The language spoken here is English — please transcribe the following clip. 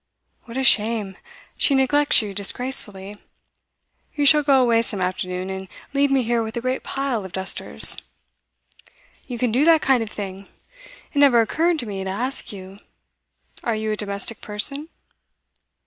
'What a shame! She neglects you disgracefully. You shall go away some afternoon, and leave me here with a great pile of dusters.' 'You can do that kind of thing? It never occurred to me to ask you: are you a domestic person?